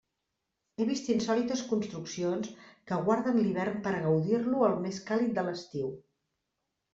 He vist insòlites construccions que guarden l'hivern per a gaudir-lo al més càlid de l'estiu.